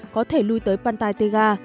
có thể lưu tới pantai tega